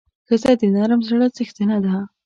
ښځه د نرم زړه څښتنه ده.